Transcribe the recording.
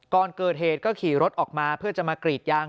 ก่อนเกิดเหตุก็ขี่รถออกมาเพื่อจะมากรีดยาง